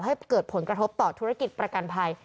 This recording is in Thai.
ให้เกิดผลกระทบต่อธุรกิจประกันภัย